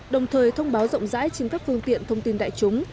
đồng thời thông báo rộng rãi trên các phương tiện thông tin đại chúng